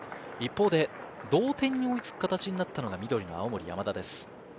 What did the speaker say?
一方で同点に追いつく形になったのが青森山田です。